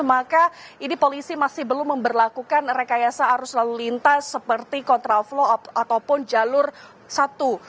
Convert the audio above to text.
maka ini polisi masih belum memperlakukan rekayasa arus lalu lintas seperti kontraflow ataupun jalur satu